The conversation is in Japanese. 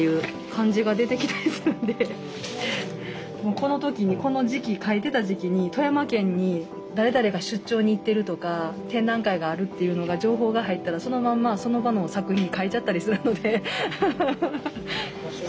この時にこの時期描いてた時期に富山県に誰々が出張に行ってるとか展覧会があるっていうのが情報が入ったらそのまんまその場の作品に描いちゃったりするので。